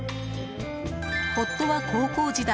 夫は高校時代